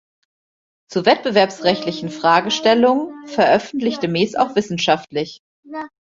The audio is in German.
Zu wettbewerbsrechtlichen Fragestellungen veröffentlichte Mees auch wissenschaftlich.